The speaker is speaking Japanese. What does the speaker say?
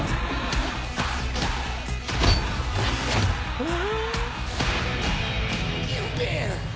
「うわ！」